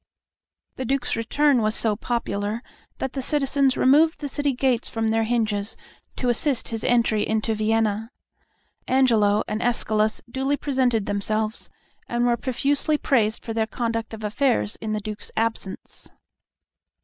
The Duke's return was so popular that the citizens removed the city gates from their hinges to assist his entry into Vienna. Angelo and Escalus duly presented themselves, and were profusely praised for their conduct of affairs in the Duke's absence.